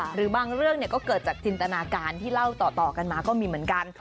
หรือบางเรื่องก็เกิดจากจินตนาการที่เล่าต่อกันมาก็มีเหมือนกัน